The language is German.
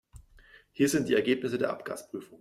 Hier sind die Ergebnisse der Abgasprüfung.